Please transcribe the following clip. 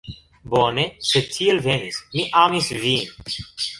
Bone, sed tiel venis, mi amis vin